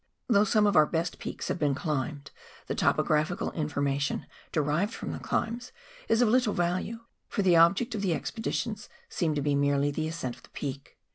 Though some of our best peaks have been climbed, the topographical information derived from the climbs is of little value, for the object of the expeditions seemed to be merely the ascent of the peak.